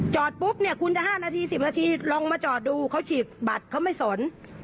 ปุ๊บเนี่ยคุณจะ๕นาที๑๐นาทีลองมาจอดดูเขาฉีกบัตรเขาไม่สน